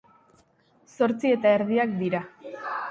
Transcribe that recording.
Zortzi eta erdiak dira.